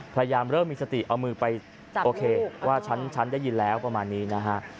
พยายามเริ่มมีสติเอามือไปจัดลูกว่าฉันได้ยินแล้วประมาณนี้นะฮะ